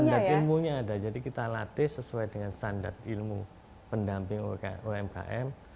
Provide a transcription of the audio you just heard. standar ilmunya ada jadi kita latih sesuai dengan standar ilmu pendamping umkm